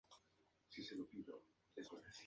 En España se han encontrado algunos ejemplares.